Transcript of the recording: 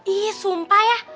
ih sumpah ya